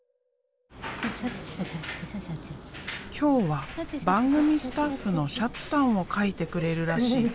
今日は番組スタッフのシャツさんを描いてくれるらしい。